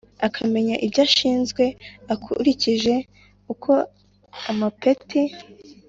Akamenya Ibyo Ashinzwe Akurikije Uko Amapeti